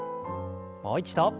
もう一度。